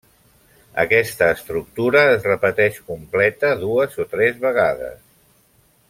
Aquesta estructura es repeteix completa dues o tres vegades.